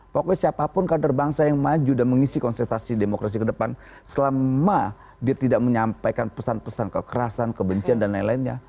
pokoknya siapapun kader bangsa yang maju dan mengisi konsentrasi demokrasi ke depan selama dia tidak menyampaikan pesan pesan kekerasan kebencian dan lain lainnya